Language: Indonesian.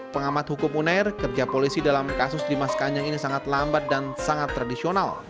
pengamat hukum uner kerja polisi dalam kasus dimas kanjeng ini sangat lambat dan sangat tradisional